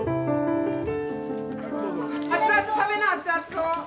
熱々食べな熱々を。